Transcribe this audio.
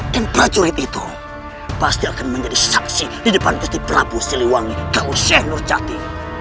dan prajurit itu pasti akan menjadi saksi di depan istri prabu siliwangi kalau syainur jati